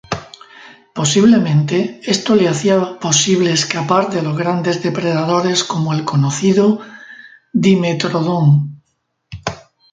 Posiblemente, esto le hacía posible escapar de los grandes depredadores como el conocido "Dimetrodon".